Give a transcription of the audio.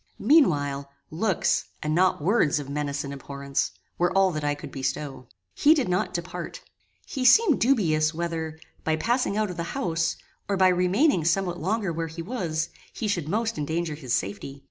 Meanwhile, looks, and not words of menace and abhorrence, were all that I could bestow. He did not depart. He seemed dubious, whether, by passing out of the house, or by remaining somewhat longer where he was, he should most endanger his safety.